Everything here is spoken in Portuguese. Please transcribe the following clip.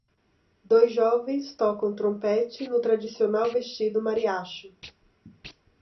Dois jovens tocam trompete no tradicional vestido mariachi.